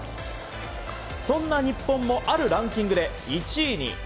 そんな日本もあるランキングで１位に！